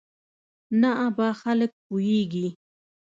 نه ابا خلک پوېېږي.